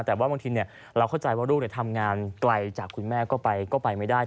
แต่ว่าบางทีเราเข้าใจว่าลูกทำงานไกลจากคุณแม่ก็ไปไม่ได้